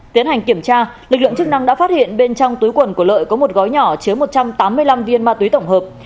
tiến hành kiểm tra lực lượng chức năng đã phát hiện bên trong túi quần của lợi có một gói nhỏ chứa một trăm tám mươi năm viên ma túy tổng hợp